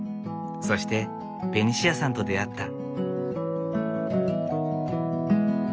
そしてベニシアさんと出会った。